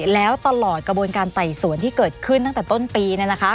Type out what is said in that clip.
แล้วตลอดกระบวนการไต่สวนที่เกิดขึ้นตั้งแต่ต้นปี